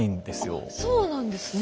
あっそうなんですね。